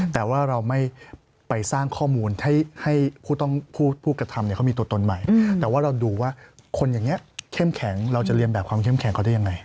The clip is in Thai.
แต่ว่าเราไม่ไปสร้างข้อมูลให้ผู้กระทำเขามีตัวตนใหม่แต่ว่าเราดูว่าคนอย่างนี้เข้มแข็งเราจะเรียนแบบความเข้มแข็งเขาได้ยังไง